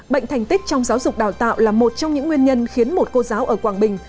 bệnh thành tích trong giáo dục đào tạo là một trong những nguyên nhân khiến một cô giáo ở quảng bình